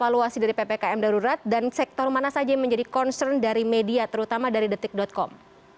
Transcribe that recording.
evaluasi dari ppkm darurat dan sektor mana saja yang menjadi concern dari media terutama dari detik com